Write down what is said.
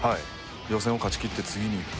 予選を勝ちきって、次にいく。